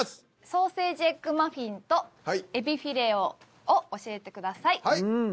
ソーセージエッグマフィンとえびフィレオを教えてください。